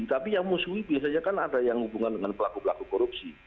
tapi yang musuhi biasanya kan ada yang hubungan dengan pelaku pelaku korupsi